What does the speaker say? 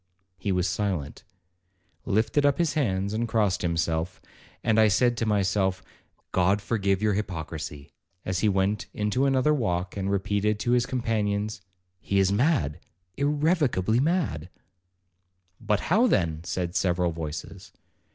He was silent, lifted up his hands, and crossed himself; and I said to myself, 'God forgive your hypocrisy,' as he went into another walk, and repeated to his companions, 'He is mad, irrecoverably mad.' 'But how, then?' said several voices.